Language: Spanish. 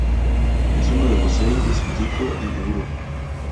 Es uno de los seis de su tipo en Europa.